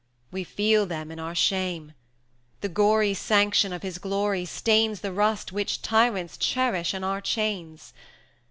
We feel them in our shame. The gory sanction of his Glory stains The rust which tyrants cherish on our chains.